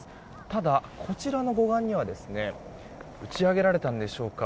ただ、こちらの護岸には打ち上げられたんでしょうか。